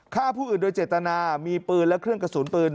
ฆ่าผู้อื่นโดยเจตนามีปืนและเครื่องกระสุนปืน